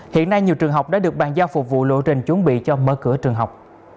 hiện nay nhiều trường học đã được bàn giao phục vụ lộ trình chuẩn bị cho mở cửa trường học